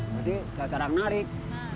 jadi jarang jarang narik